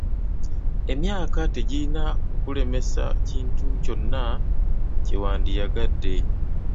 Emyaka tegirina kukulemesa kintu kyonna kye wandyagadde.